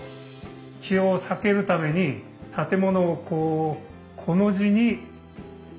木を避けるために建物をこうコの字に曳家したんですよ。